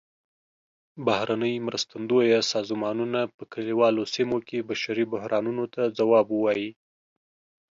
بهرنۍ مرستندویه سازمانونه په کلیوالو سیمو کې بشري بحرانونو ته ځواب ووايي.